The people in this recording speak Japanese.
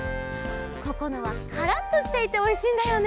ここのはカラッとしていておいしいんだよね。